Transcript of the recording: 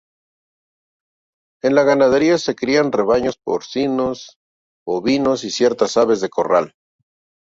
En la ganadería se crían rebaños porcinos, bovinos y ciertas aves de corral.